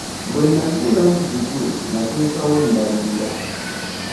Bwe nazuula nti kikulu nateekawo embalirira.